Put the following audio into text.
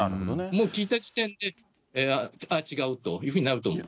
もう聞いた時点で、あ、違うというふうになると思う。